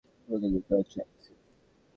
পুরো কৃতিত্বটা হচ্ছে অ্যালেক্সের!